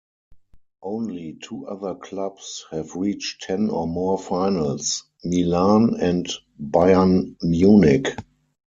Only two other clubs have reached ten or more finals: Milan and Bayern Munich.